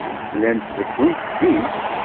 Llant beddunt zik.